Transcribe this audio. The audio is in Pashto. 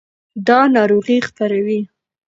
دا ناروغۍ خپروي.